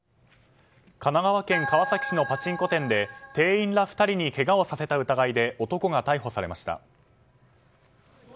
神奈川県川崎市のパチンコ店で店員ら２人にけがをさせた疑いで男が逮捕されました。